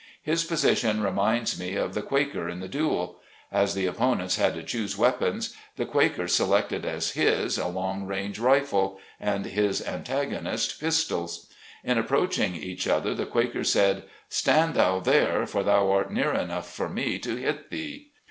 His position reminds me of the quaker in the duel. As the opponents had to 76 SLAVE CABIN TO PULPIT. choose weapons, the Quaker selected as his, a long range rifle, and his antagonist pistols. In approach ing each other the Quaker said, " Stand thou there, for thou art near enough for me to hit thee."